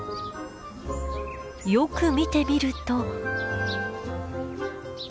よく見てみると。